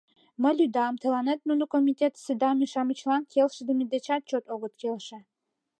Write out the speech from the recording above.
— Мый лӱдам, тыланет нуно комитетысе даме-шамычлан келшыдыме дечат чот огыт келше.